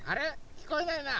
きこえないな。